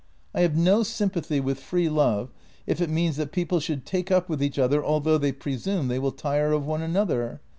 I have no sympathy with free love, if it means that people should take up with each other although they presume they will tire of one another.